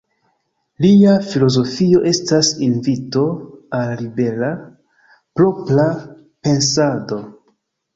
Lia filozofio estas invito al libera, propra, pensado.